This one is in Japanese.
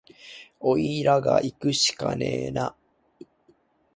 おいらがいくしかねえな